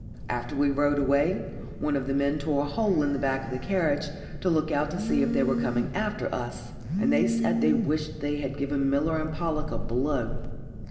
After we rode away, one of the men tore a hole in the back of the carriage, to look out to see if they were coming after us, and they said they wished they had given Miller and Pollock a blow.